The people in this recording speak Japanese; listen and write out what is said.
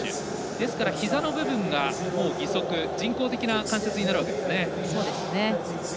ですから、ひざの部分が義足人工的な関節になりますね。